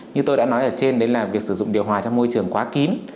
như tôi đã nói ở trên đấy là việc sử dụng điều hòa trong môi trường quá kín